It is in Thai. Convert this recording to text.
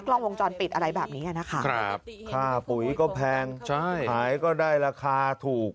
กล้องวงจรปิดอะไรแบบนี้นะคะค่าปุ๋ยก็แพงขายก็ได้ราคาถูก